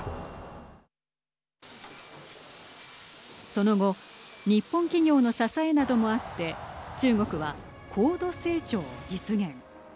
その後日本企業の支えなどもあって中国は高度成長を実現。